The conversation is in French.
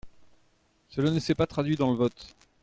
Cela ne s’est pas traduit dans le vote.